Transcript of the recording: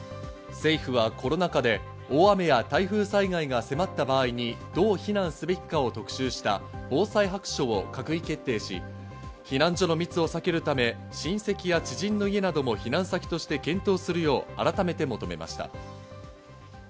政府はコロナ禍で、大雨や台風災害が迫った場合にどう避難すべきかを特集した防災白書を閣議決定し、避難所の密を避けるため、親戚や知人の家なども避難先として検討するよう改めて求めました。